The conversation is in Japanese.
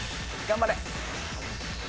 ・頑張れ。